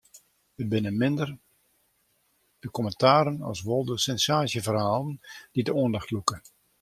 It binne minder de kommentaren as wol de sensaasjeferhalen dy't de oandacht lûke.